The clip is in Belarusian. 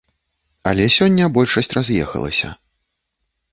Але сёння большасць раз'ехалася.